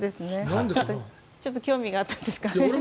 ちょっと興味があったんですかね。